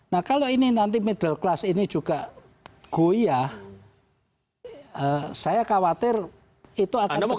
nah kalau ini nanti middle class ini juga goyah saya khawatir itu akan terjadi